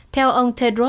theo ông tedros